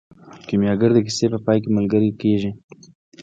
کیمیاګر د کیسې په پای کې ملګری کیږي.